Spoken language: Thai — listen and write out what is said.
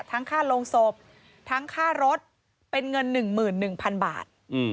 ค่าโรงศพทั้งค่ารถเป็นเงิน๑๑๐๐๐บาท